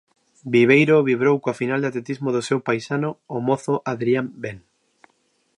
Viveiro vibrou coa final de atletismo do seu paisano, o mozo Adrián Ben.